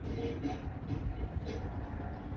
古希腊作家之一。